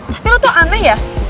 tapi lo tuh aneh ya